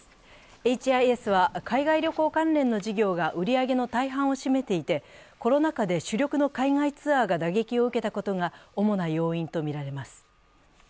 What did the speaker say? エイチ・アイ・エスは海外旅行関連の事業が売り上げの大半を占めていて、コロナ禍で主力の海外ツアーが打撃を受けたことが主な要因とみられます。